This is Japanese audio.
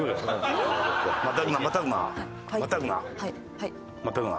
またぐなまたぐな。